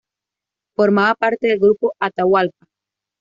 Formaba parte del grupo Atahualpa.